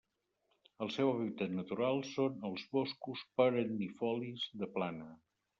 El seu hàbitat natural són els boscos perennifolis de plana.